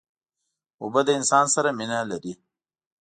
اوبه له انسان سره مینه لري.